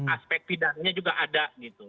aspek pidananya juga ada gitu